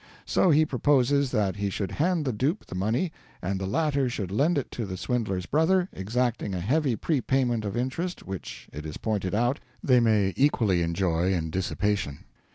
So he proposes that he should hand the dupe the money, and the latter should lend it to the swindler's brother, exacting a heavy pre payment of interest which, it is pointed out, they may equally enjoy in dissipation.